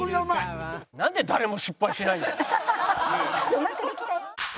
うまくできたよ。